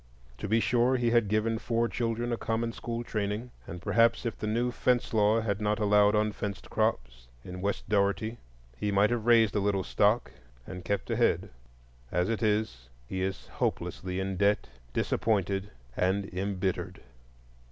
To be sure, he had given four children a common school training, and perhaps if the new fence law had not allowed unfenced crops in West Dougherty he might have raised a little stock and kept ahead. As it is, he is hopelessly in debt, disappointed, and embittered.